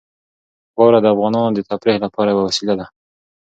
واوره د افغانانو د تفریح لپاره یوه وسیله ده.